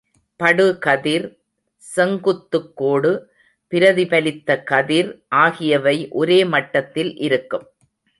படுகதிர், செங்குத்துக்கோடு, பிரதிபலித்த கதிர் ஆகியவை ஒரே மட்டத்தில் இருக்கும்.